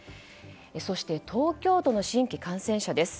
そして、東京都の新規感染者です。